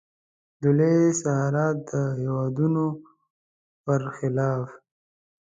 د لویې صحرا د هېوادونو پر خلاف.